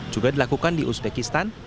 juga dilakukan di uzbekistan